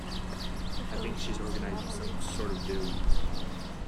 I think she's organising some sort of do.